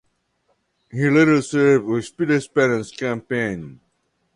He later served with Peter Penashue's campaign.